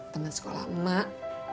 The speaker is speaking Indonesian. teman sekolah emak